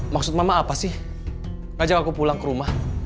maksud mama apa sih ngajak aku pulang ke rumah